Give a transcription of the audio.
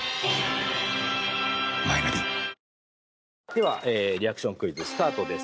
ではリアクションクイズスタートです。